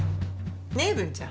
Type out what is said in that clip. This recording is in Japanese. ねっ文ちゃん。